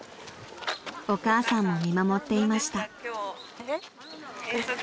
［お母さんも見守っていました］